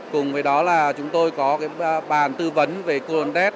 cùng với đó là chúng tôi có bàn tư vấn về cô lân đét